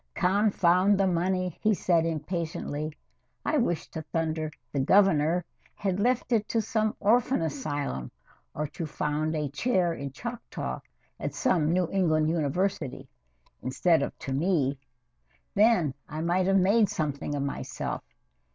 "Confound the money!" he said impatiently. "I wish to thunder the Governor had left it to some orphan asylum or to found a Chair in Choctaw at some New England university, instead of to me then I might have made something of myself.